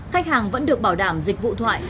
khách hàng vẫn được bảo đảm dịch vụ thoại